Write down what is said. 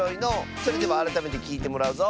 それではあらためてきいてもらうぞ。